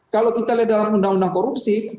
kalau kita lihat dalam undang undang korupsi